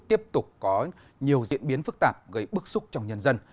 tiếp tục có nhiều diễn biến phức tạp gây bức xúc trong nhân dân